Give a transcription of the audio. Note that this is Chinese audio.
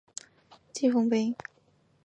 丰碑稍低于智者丰碑。